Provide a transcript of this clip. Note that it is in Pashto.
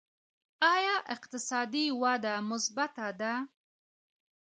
آیا اقتصادي وده مثبته ده؟